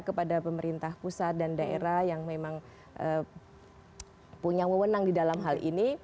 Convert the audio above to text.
kepada pemerintah pusat dan daerah yang memang punya wewenang di dalam hal ini